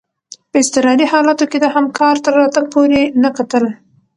په اضطراري حالاتو کي د همکار تر راتګ پوري نه کتل.